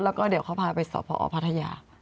แล้วก็เดี๋ยวเขาพาไปสอบพอพัทยา